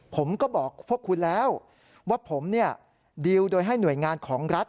ผมก็บอกพวกคุณแล้วว่าผมดีลโดยให้หน่วยงานของรัฐ